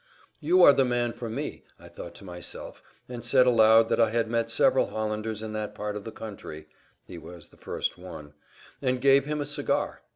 "You are the man for me," I thought to myself, and said aloud that I had met several Hollanders in that part of the country (he was the first one), and gave him a cigar.